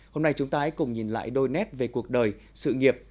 hôm nay chúng ta hãy cùng nhìn lại đôi nét về cuộc đời sự nghiệp